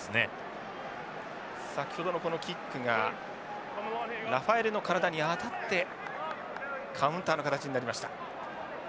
先ほどのキックがラファエレの体に当たってカウンターの形になりました。